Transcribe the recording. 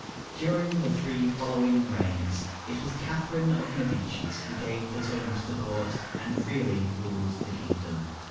During the three following reigns, it was Catharine of Medicis who gave the tone to the court, and really ruled the kingdom.